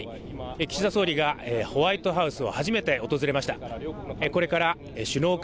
岸田総理がホワイトハウスを初めて訪れました。